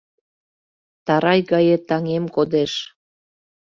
Тарай гае таҥем кодеш.